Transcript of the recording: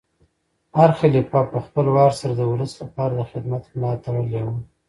هر خلیفه په خپل وار سره د ولس لپاره د خدمت ملا تړلې وه.